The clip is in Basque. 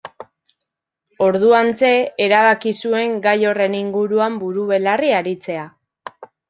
Orduantxe erabaki zuen gai horren inguruan buru-belarri aritzea.